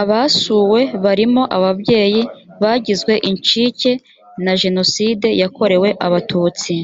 abasuwe barimo ababyeyi bagizwe incike na jenoside yakorewe abatutsi